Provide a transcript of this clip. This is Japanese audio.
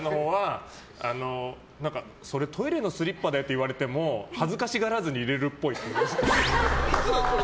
それ、トイレのスリッパだよって言われても恥ずかしがらずにいれるっぽい。